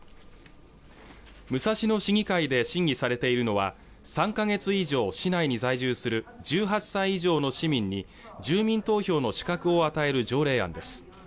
武蔵野市議会で審議されているのは３か月以上市内に在住する１８歳以上の市民に住民投票の資格を与える条例案です